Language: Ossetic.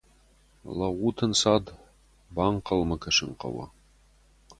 Лӕуут ӕнцад, банхъӕлмӕ кӕсын хъӕуы.